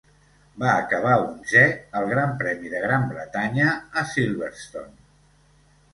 Va acabar onzè al Gran Premi de Gran Bretanya, a Silverstone.